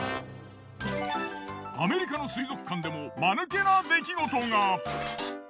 アメリカの水族館でもマヌケな出来事が。